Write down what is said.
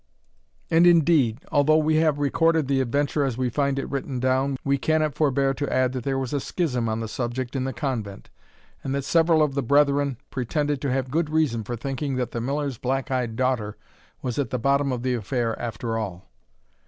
And, indeed, although we have recorded the adventure as we find it written down, we cannot forbear to add that there was a schism on the subject in the convent, and that several of the brethren pretended to have good reason for thinking that the miller's black eyed daughter was at the bottom of the affair after all.